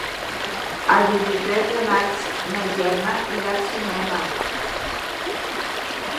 El vint-i-tres de maig na Gemma irà al cinema.